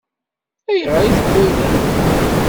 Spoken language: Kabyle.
Ayɣer i tewwi ayla-nkent?